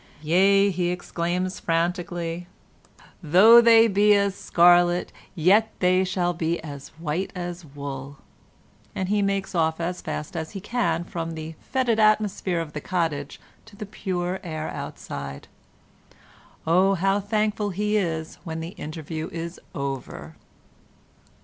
Yea," he exclaims frantically, "though they be as scarlet, yet shall they be as white as wool," and he makes off as fast as he can from the fetid atmosphere of the cottage to the pure air outside. Oh, how thankful he is when the interview is over!